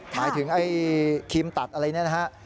หมายถึงไอ้ครีมตัดอะไรเนี่ยนะฮะ